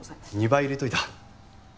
２倍入れておいた。